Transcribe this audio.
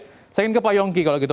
saya ingin ke pak yongki kalau gitu